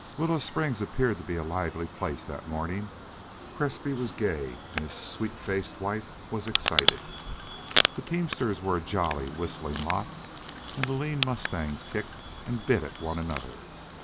........... Willow Springs appeared to be a lively place that morning. Presbrey was gay and his sweet faced wife was excited. The teamsters were a jolly, whistling lot. And the lean mustangs kicked and bit at one another.